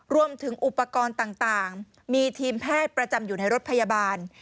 รวมถึงอุปกรณ์ต่างมีทีมแพทย์ประจำอยู่ในรถพยาบาล